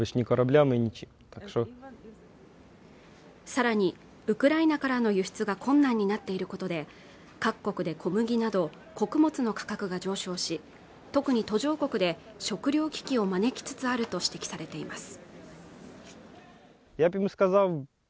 さらにウクライナからの輸出が困難になっていることで各国で小麦など穀物の価格が上昇し特に途上国で食糧危機を招きつつあると指摘されています